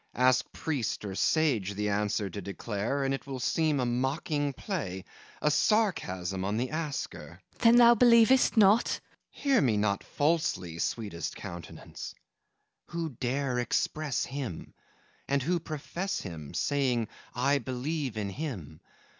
Ask priest or sage the answer to declare, And it will seem a mocking play, A sarcasm on the asker. MARGARET Then thou believest not! FAUST Hear me not falsely, sweetest countenance! Who dare express Him? And who profess Him, Saying: I believe in Him!